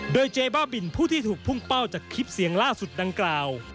โดยเจ๊บ้าบินผู้ที่ถูกพุ่งเป้าจากคลิปเสียงล่าสุดดังกล่าว